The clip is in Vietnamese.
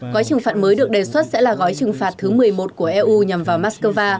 gói trừng phạt mới được đề xuất sẽ là gói trừng phạt thứ một mươi một của eu nhằm vào moscow